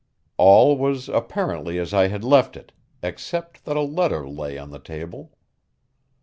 All was apparently as I had left it, except that a letter lay on the table.